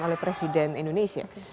oleh presiden indonesia